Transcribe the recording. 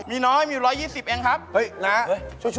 ไม่แพงหน่อย